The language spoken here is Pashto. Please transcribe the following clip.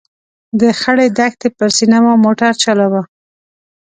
د خړې دښتې پر سینه مو موټر چلاوه.